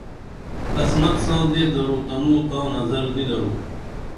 عصمت ساں دے درو تنوں تاں نظر نی درو